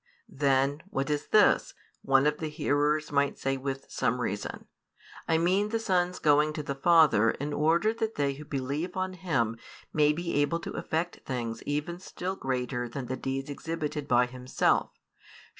Then, "What is this?" one of the hearers might say with some reason, "I mean the Son's going to the Father in order that they who believe on Him may be able to effect things even still greater than the deeds exhibited by Himself?